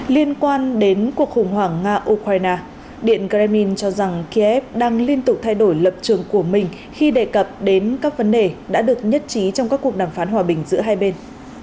liên quan đến cuộc khủng hoảng nga ukraine điện kremlin cho rằng kiev đang liên tục thay đổi lập trường của mình khi đề cập đến các vấn đề đã được nhất trí trong các cuộc đàm phán hòa bình giữa hai bên